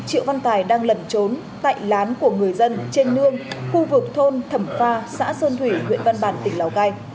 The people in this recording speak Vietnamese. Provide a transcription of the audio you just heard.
triệu văn tài đang lẩn trốn tại lán của người dân trên nương khu vực thôn thẩm pha xã sơn thủy huyện văn bàn tỉnh lào cai